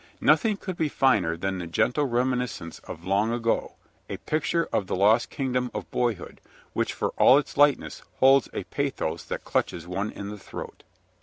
Nothing could be finer than the gentle reminiscence of "Long Ago," a picture of the lost kingdom of boyhood, which for all its lightness holds a pathos that clutches one in the throat.